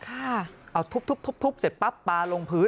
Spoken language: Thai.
เอาทุบเสร็จปั๊บปลาลงพื้น